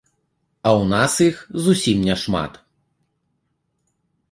А ў нас іх зусім няшмат.